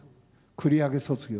繰り上げ卒業。